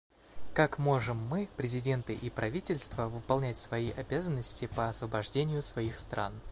Как можем мы, президенты и правительства, выполнять свои обязанности по освобождению своих стран?